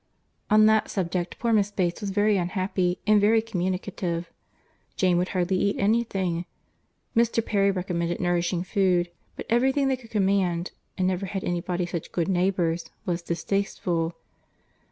On that subject poor Miss Bates was very unhappy, and very communicative; Jane would hardly eat any thing:—Mr. Perry recommended nourishing food; but every thing they could command (and never had any body such good neighbours) was distasteful.